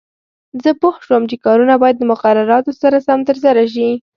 زه پوه شوم چې کارونه باید د مقرراتو سره سم ترسره شي.